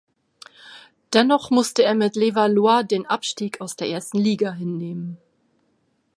Dennoch musste er mit Levallois den Abstieg aus der ersten Liga hinnehmen.